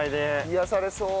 癒やされそう。